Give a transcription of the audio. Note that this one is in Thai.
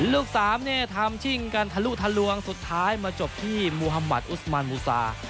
ลูกสามเนี่ยทำชิ่งกันทะลุทะลวงสุดท้ายมาจบที่มูฮามัติอุสมันมูซา